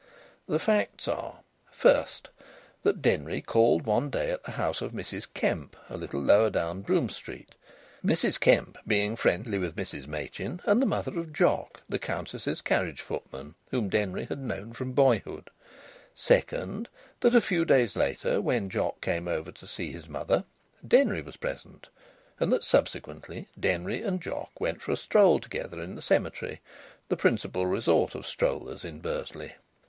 The facts are: First, that Denry called one day at the house of Mrs Kemp a little lower down Brougham Street, Mrs Kemp being friendly with Mrs Machin, and the mother of Jock, the Countess's carriage footman, whom Denry had known from boyhood. Second, that a few days later, when Jock came over to see his mother, Denry was present, and that subsequently Denry and Jock went for a stroll together in the cemetery, the principal resort of strollers in Bursley.